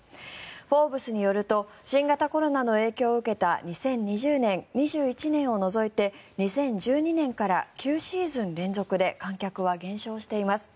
「フォーブス」によると新型コロナの影響を受けた２０２０年、２１年を除いて２０１２年から９シーズン連続で観客は減少しています。